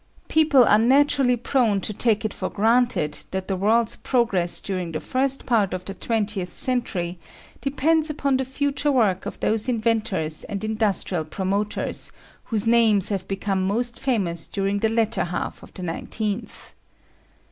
People are naturally prone to take it for granted that the world's progress during the first part of the twentieth century depends upon the future work of those inventors and industrial promoters whose names have become most famous during the latter half of the nineteenth.